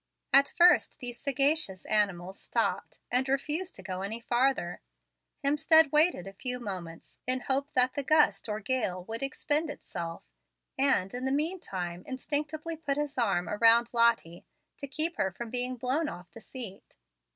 At first these sagacious animals stopped, and refused to go any farther. Hemstead waited a few moments, in hope that the gust or gale would expend itself, and, in the mean time, instinctively put his arm around Lottie, to keep her from being blown off the seat.